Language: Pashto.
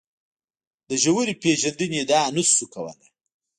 د ژورې پېژندنې ادعا نه شو کولای.